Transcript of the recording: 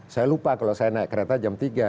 saya lupa kalau saya naik kereta jam tiga